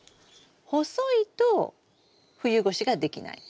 細いと冬越しができない。